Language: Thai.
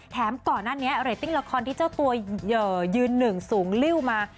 ก่อนหน้านี้เรตติ้งละครที่เจ้าตัวยืนหนึ่งสูงลิ้วมา